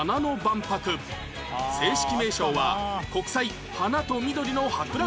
正式名称は国際花と緑の博覧会